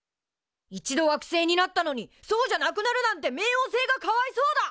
一度惑星になったのにそうじゃなくなるなんて冥王星がかわいそうだ！